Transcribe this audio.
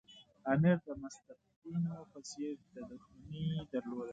امیر د مستبدینو په څېر دښمني درلوده.